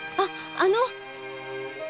あの！